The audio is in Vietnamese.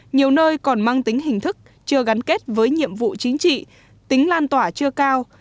nhiều nơi còn mang tính hình thức chưa gắn kết với nhiệm vụ chính trị tính lan tỏa chưa cao